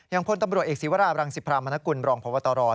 พลตำรวจเอกศีวราบรังสิพรามนกุลรองพบตร